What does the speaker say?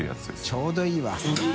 ちょうどいいわ。